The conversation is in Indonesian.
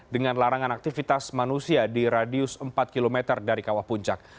dengan larangan aktivitas manusia di radius empat km dari kawah puncak